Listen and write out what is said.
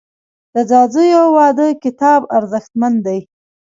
د ځاځیو واده کتاب ارزښتمن دی.